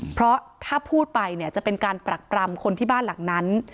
เพราะถ้าพูดไปเนี่ยจะเป็นการปรักปรำคนที่บ้านหลังนั้น